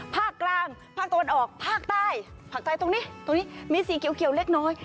ภาคกลางภาคตะวันออกภาคใต้ภาคใต้ตรงนี้ตรงนี้มีสีเขียวเล็กน้อย